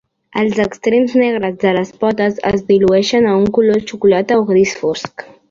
Els extrems negres de les potes es dilueixen a un color xocolata o gris fosc.